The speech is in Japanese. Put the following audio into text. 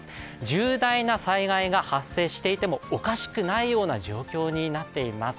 重大な災害が発生していても、おかしくないような状況になっています。